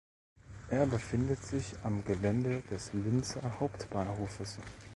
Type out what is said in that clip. Er befindet sich am Gelände des Linzer Hauptbahnhofes.